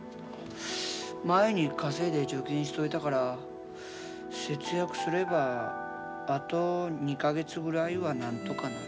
前に稼いで貯金しといたから節約すればあと２か月ぐらいはなんとかなる。